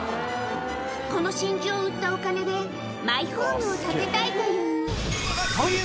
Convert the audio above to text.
この真珠を売ったお金で、マイホームを建てたいという。